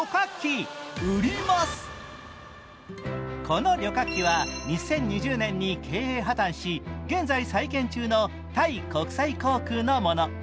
この旅客機は２０２０年に経営破たんし現在再建中のタイ国際航空のもの。